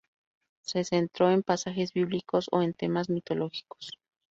Se centró en pasajes bíblicos o en temas mitológicos.